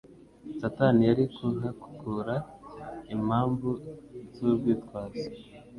Satani yari kuhakura impamvu z'urwitwazo